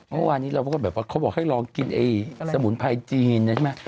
เมื่อวานนี้เราก็แบบว่าเขาบอกให้ลองกินไอ้สมุนไพรจีนใช่ไหม